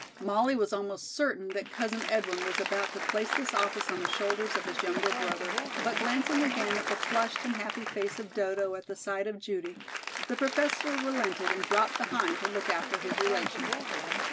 Molly was almost certain that Cousin Edwin was about to place this office on the shoulders of his younger brother, but glancing again at the flushed and happy face of Dodo at the side of Judy, the Professor relented and dropped behind to look after his relation.